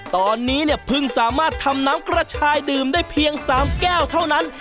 ตอนนี้เนี่ยเพิ่งสามารถทำน้ำกระชายดื่มได้เพียง๓แก้วเท่านั้น